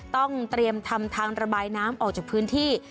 ต้องเตรียมทำทางระบายน้ำออกจากพื้นที่